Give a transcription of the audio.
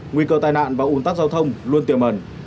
nguy cơ tai nạn và ủn tắc giao thông luôn tiềm mẩn